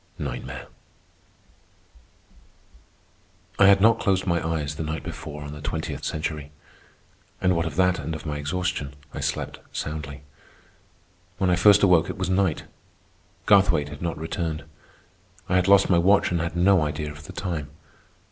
NIGHTMARE I had not closed my eyes the night before on the Twentieth Century, and what of that and of my exhaustion I slept soundly. When I first awoke, it was night. Garthwaite had not returned. I had lost my watch and had no idea of the time.